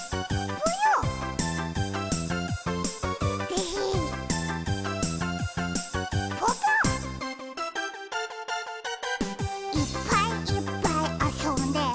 ぽぽ「いっぱいいっぱいあそんで」